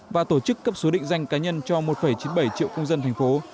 và tổ chức cấp số định danh cá nhân cho một chín mươi bảy triệu công dân thành phố